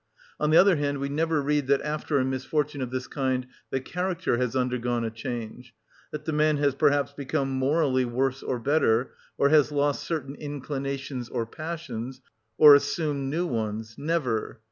On the other hand, we never read that after a misfortune of this kind the character has undergone a change, that the man has perhaps become morally worse or better, or has lost certain inclinations or passions, or assumed new ones; never.